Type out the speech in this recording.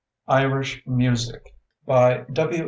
IRISH MUSIC By W.